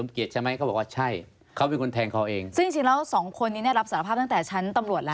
เขารับสารภาพตั้งแต่ชั้น